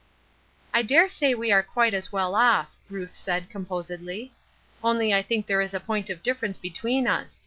"I dare say we are quite as well off," Ruth said, composedly; "only I think there is this point of difference between us.